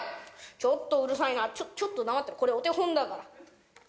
ちょっとうるさいな、ちょっと黙ってろ、これお手本だから。